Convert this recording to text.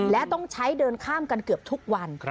และต้องใช้เดินข้ามกันเกือบทุกวัน